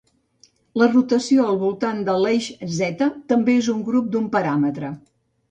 La rotació al voltant de l'eix Z també és un grup d'un paràmetre.